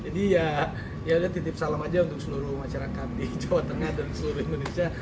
jadi ya titip salam aja untuk seluruh masyarakat di jawa tengah dan seluruh indonesia